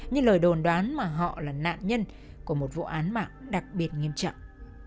như lời đồn đoán mà họ là nạn nhân của một vụ án mạng đặc biệt nghiêm trọng